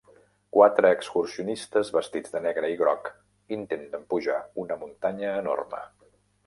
Quatre excursionistes vestits de negre i groc intenten pujar una muntanya enorme.